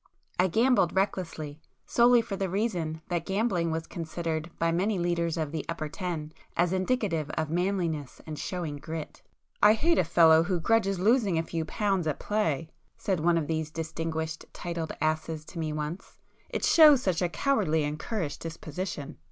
I gambled recklessly, solely for the reason that gambling was considered by many leaders of the 'upper ten' as indicative of 'manliness' and 'showing grit.' "I hate a fellow who grudges losing a few pounds at play,"—said one of these 'distinguished' titled asses to me once—"It shows such a cowardly and currish disposition."